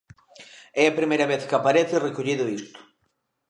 É a primeira vez que aparece recollido isto.